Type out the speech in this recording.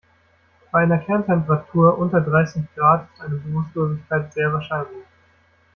Bei einer Kerntemperatur unter dreißig Grad ist eine Bewusstlosigkeit sehr wahrscheinlich.